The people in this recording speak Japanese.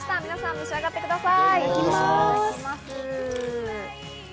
召し上がってください。